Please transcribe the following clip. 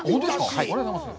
ありがとうございます。